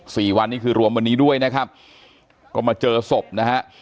สี่วันนี้คือรวมวันนี้ด้วยนะครับก็มาเจอศพนะฮะ